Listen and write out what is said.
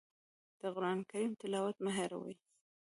د قرآن کریم تلاوت مه هېروئ.